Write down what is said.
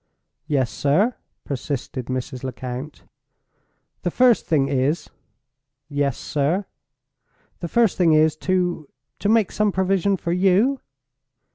"Yes, sir?" persisted Mrs. Lecount. "The first thing is—" "Yes, sir?" "The first thing is, to—to make some provision for You?"